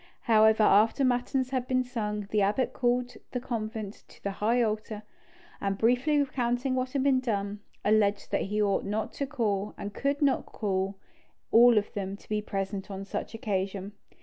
However, after matins had been sung, the abbot called the convent to the high altar, and briefly recounting what had been done, alleged that he ought not to call—and could not call—all of them to be present on such an occasion.